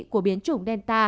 của biến chủng đen dịch